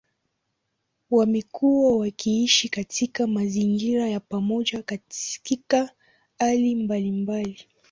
Wamekuwa wakiishi katika mazingira ya pamoja katika hali mbalimbali.